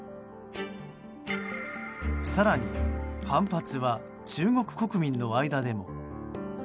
更に、反発は中国国民の間でも。